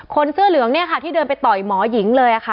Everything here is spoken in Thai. เสื้อเหลืองเนี่ยค่ะที่เดินไปต่อยหมอหญิงเลยค่ะ